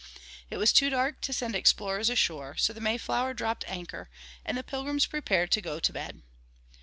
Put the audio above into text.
It was too dark to send explorers ashore, so the Mayflower dropped anchor, and the Pilgrims prepared to go to bed.